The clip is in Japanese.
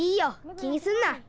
気にすんな。